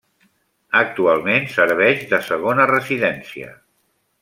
Actualment serveix de segona residència.